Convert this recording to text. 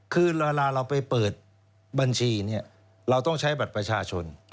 คือเวลาเราไปเปิดบัญชีเนี่ยเราต้องใช้บัตรประชาชน